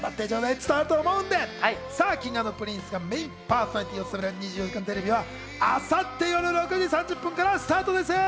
伝わると思うので、Ｋｉｎｇ＆Ｐｒｉｎｃｅがメインパーソナリティーを務める『２４時間テレビ』は明後日夜６時３０分からスタートです。